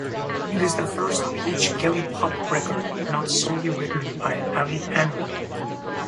It is the first Peach Kelli Pop record not solely written by Allie Hanlon.